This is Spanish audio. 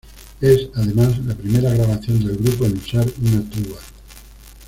Es, además, la primera grabación del grupo en usar una tuba.